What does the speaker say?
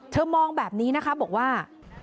มองแบบนี้นะคะบอกว่า